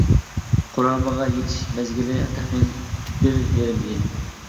قۇرامىغا يېتىش مەزگىلى تەخمىنەن بىر يېرىم يىل.